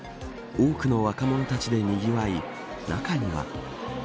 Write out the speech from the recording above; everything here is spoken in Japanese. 多くの若者たちでにぎわい中には。